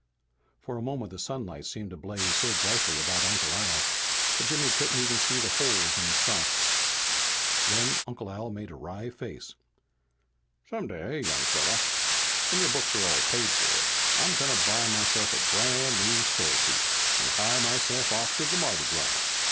For a moment the sunlight seemed to blaze so brightly about Uncle Al that Jimmy couldn't even see the holes in his socks. Then Uncle Al made a wry face. "Someday, young fella, when your books are all paid for, I'm gonna buy myself a brand new store suit, and hie myself off to the Mardi Gras.